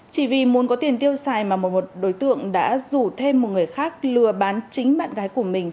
chỉ vì muốn có tiền tiêu xài mà một đối tượng đã rủ thêm một người khác lừa bán chính bạn gái của mình